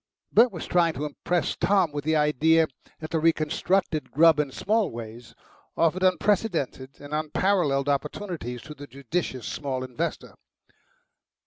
Bert was trying to impress Tom with the idea that the reconstructed Grubb & Smallways offered unprecedented and unparalleled opportunities to the judicious small investor.